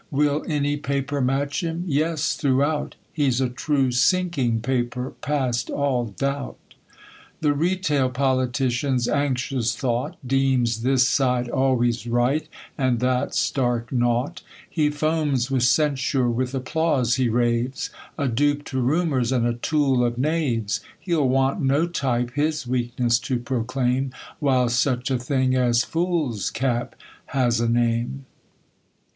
^ Will any paper match him ? Yes, throughout. He's a true sinking paper, past all doubt. The retail politician's anxious thought Deems this side always right, and that stark naught; He foams with censure ; with applause he raves, A dupe to rumours, and a tool of knaves : He'll want no type his weakness to proclaim, While such a thing diS fools cap has a name.